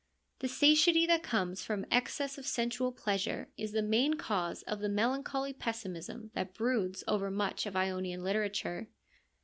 The satiety that comes from excess of sensual pleasure is the main cause of the melancholy pessimism that broods over much of Ionian literature.